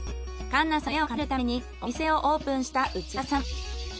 かんなさんの夢をかなえるためにお店をオープンした内田さん。